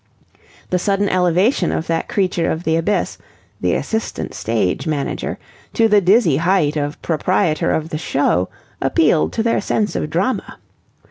The sudden elevation of that creature of the abyss, the assistant stage manager, to the dizzy height of proprietor of the show appealed to their sense of drama.